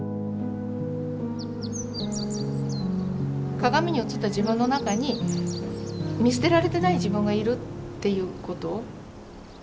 鏡に映った自分の中に見捨てられてない自分がいるっていうこと。